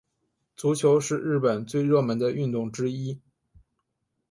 足球是日本最热门的运动之一。